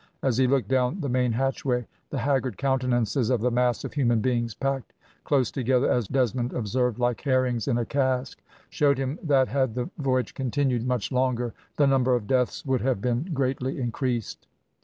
As he looked down the main hatchway, the haggard countenances of the mass of human beings packed close together as Desmond observed, like herrings in a cask showed him that had the voyage continued much longer, the number of deaths would have been greatly increased.